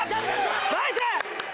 ナイス！